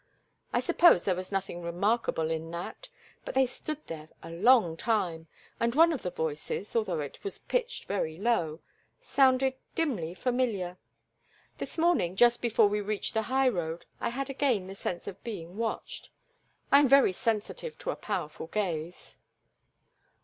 I suppose there was nothing remarkable in that, but they stood there a long time, and one of the voices, although it was pitched very low, sounded dimly familiar. This morning, just before we reached the high road I had again the sense of being watched—I am very sensitive to a powerful gaze."